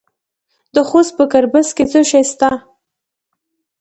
د خوست په ګربز کې څه شی شته؟